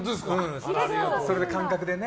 それで感覚でね。